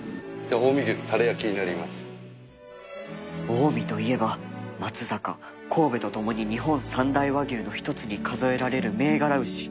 近江といえば松坂神戸とともに日本三大和牛の一つに数えられる銘柄牛